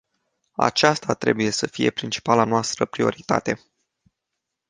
Aceasta trebuie să fie principala noastră prioritate.